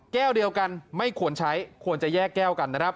แก้วเดียวกันไม่ควรใช้ควรจะแยกแก้วกันนะครับ